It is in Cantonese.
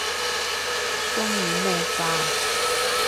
鍾意咩花啊